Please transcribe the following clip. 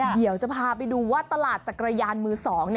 เดี๋ยวจะพาไปดูว่าตลาดจักรยานมือ๒